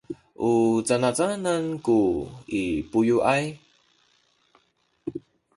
u canacanan ku i bayuay?